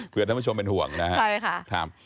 เพื่อท่านผู้ชมเป็นห่วงนะครับ